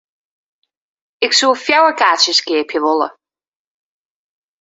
Ik soe fjouwer kaartsjes keapje wolle.